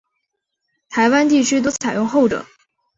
台湾地区多采用后者。